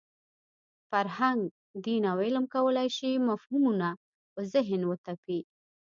فرهنګ، دین او علم کولای شي مفهومونه په ذهن وتپي.